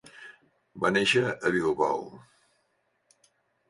Va néixer a Bilbao.